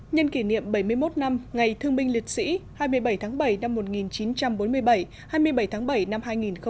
nhân kỷ niệm bảy mươi một năm ngày thương binh liệt sĩ hai mươi bảy tháng bảy năm một nghìn chín trăm bốn mươi bảy hai mươi bảy tháng bảy năm hai nghìn một mươi chín